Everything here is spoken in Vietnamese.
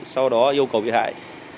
sau đó yêu cầu bị hại